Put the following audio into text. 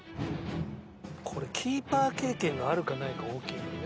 これキーパー経験があるかないか大きいよね。